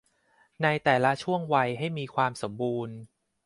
ในแต่ละช่วงวัยให้มีความสมบูรณ์